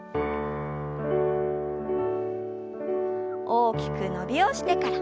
大きく伸びをしてから。